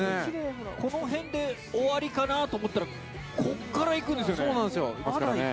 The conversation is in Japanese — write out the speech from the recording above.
このへんで終わりかなと思ったらこっから行くんですよね